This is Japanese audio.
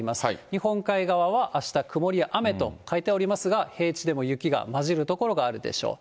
日本海側はあした、曇り雨と書いてありますが、平地でも雪がまじる所があるでしょう。